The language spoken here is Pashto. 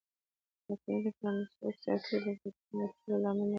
ټاکنې د پرانیستو سیاسي بنسټونو رامنځته کېدو لامل نه کېږي.